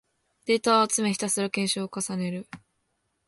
データを集め、ひたすら検証を重ねる